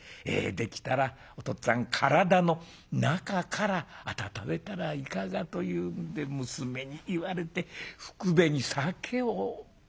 『できたらお父っつぁん体の中から温めたらいかが』というんで娘に言われてふくべに酒を持たしてもらいやして。